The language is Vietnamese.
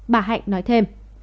bà hạnh nói thêm